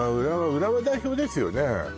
浦和代表ですよね？